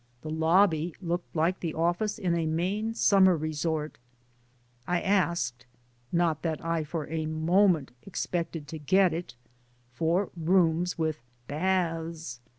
The lobby looked like the office in a Maine summer resort I asked ŌĆö ^not that I for a moment expected to get itŌĆö for rooms with baths.